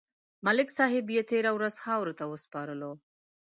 ملک صاحب یې تېره ورځ خاورو ته وسپارلو.